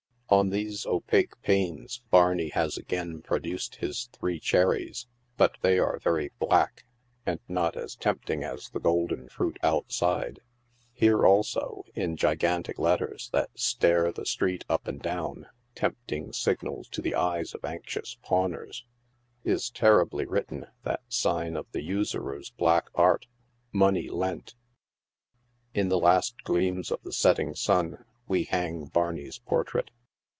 On these opaque panes, Barney has again produced his three cherries, but they are very black, and not as tempting as the golden fruit outside. Here, also, in gigantic let ters, that stare the street up and down — tempting signals to the eyes of anxious pawners— is terribly written that sign of the usurer's black art —" Money Lent." In the last gleams of the setting sun we hang Barney's portrait.